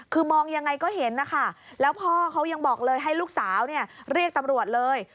คือมองยังไงก็เห็นนะคะแล้วพ่อเขายังบอกเลยให้ลูกสาวเรียกตำรวจเลย